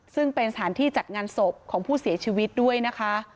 ซึ่งเป็นสถานที่จัดงานศพของผู้เสียชีวิตด้วยนะคะ